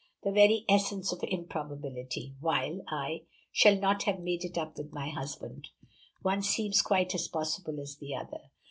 "The very essence of improbability." "While I shall not have made it up with my husband." "One seems quite as possible as the other."